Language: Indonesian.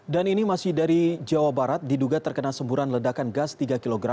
dan ini masih dari jawa barat diduga terkena semburan ledakan gas tiga kg